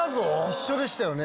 一緒でしたよね。